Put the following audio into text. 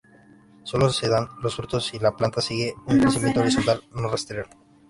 Sólo se dan los frutos si la planta sigue un crecimiento horizontal, no rastrero.